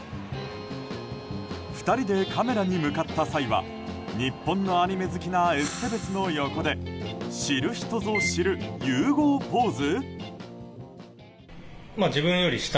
２人でカメラに向かった際は日本のアニメ好きなエステベスの横で知る人ぞ知る融合ポーズ？